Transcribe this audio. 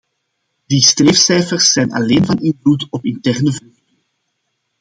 Die streefcijfers zijn alleen van invloed op interne vluchten.